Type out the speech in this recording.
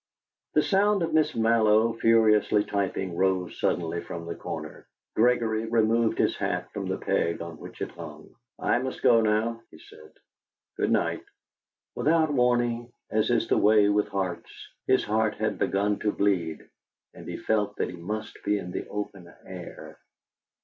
The sound of Miss Mallow furiously typing rose suddenly from the corner. Gregory removed his hat from the peg on which it hung. "I must go now," he said. "Good night." Without warning, as is the way with hearts, his heart had begun to bleed, and he felt that he must be in the open air.